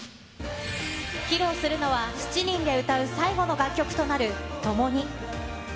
披露するのは７人で歌う最後の楽曲となる、ともに。